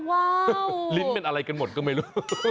ลิ้นเป็นอะไรกันหมดก็ไม่รู้